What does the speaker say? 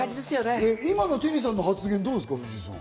今のテリーさんの発言どうですか？